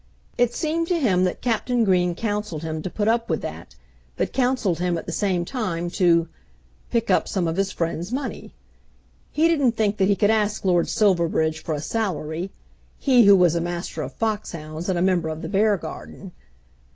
It seemed to him that Captain Green counselled him to put up with that, but counselled him at the same time to pick up some of his friend's money. He didn't think that he could ask Lord Silverbridge for a salary he who was a Master of Fox hounds, and a member of the Beargarden.